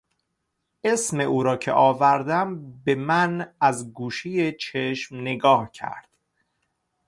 اسم او را که آوردم به من از گوشهی چشم نگاه کرد.